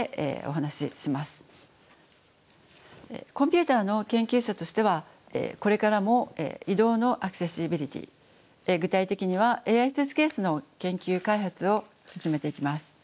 コンピューターの研究者としてはこれからも移動のアクセシビリティー具体的にはＡＩスーツケースの研究開発を進めていきます。